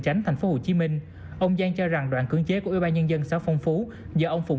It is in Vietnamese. chánh thành phố hồ chí minh ông giang cho rằng đoạn cưỡng chế của ubnd xã phong phú do ông phùng